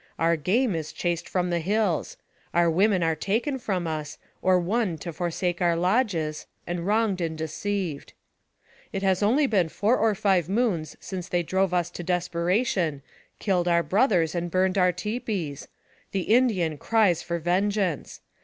Our game is chased from the hills. Our women are taken from us, or won to forsake our lodges, and wronged and deceived. " It has only been four or five moons since they drove us to desperation, killed our brothers and burned our tipis. The Indian cries for vengeance